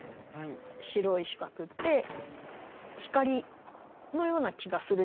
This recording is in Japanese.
白い四角って光のような気がするじゃないですか？